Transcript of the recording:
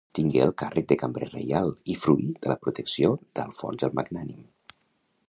Tingué el càrrec de cambrer reial i fruí de la protecció d'Alfons el Magnànim.